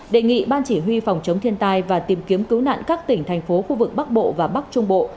đề nghị ban chỉ huy phòng chống thiên tai và tìm kiếm cứu nạn các tỉnh thành phố khu vực bắc bộ và bắc trung bộ